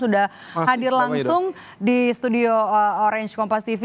sudah hadir langsung di studio orange kompas tv